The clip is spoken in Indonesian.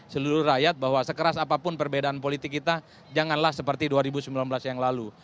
seluruh rakyat bahwa sekeras apapun perbedaan politik kita janganlah seperti dua ribu sembilan belas yang lalu